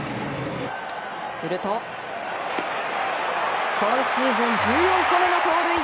すると今シーズン１４個目の盗塁。